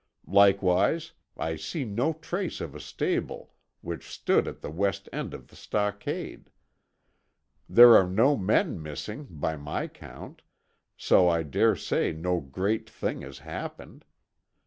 Likewise, I see no trace of a stable which stood at the west end of the stockade. There are no men missing, by my count, so I dare say no great thing has happened.